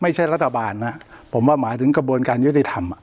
รัฐบาลนะผมว่าหมายถึงกระบวนการยุติธรรม